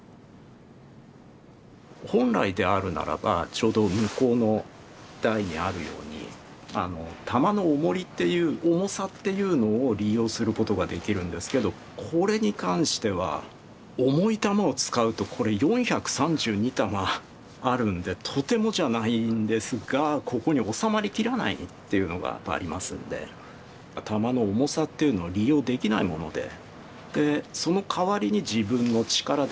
本来であるならばちょうど向こうの台にあるように玉のおもり重さっていうのを利用することができるんですけどこれに関しては重い玉を使うとこれ４３２玉あるんでとてもじゃないんですがここに収まりきらないっていうのがありますので玉の重さっていうのを利用できないものでそのかわりに自分の力で締めていく。